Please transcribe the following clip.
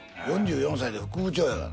４４歳で副部長やがな。